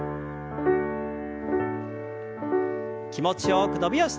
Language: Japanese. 気持ちよく伸びをして。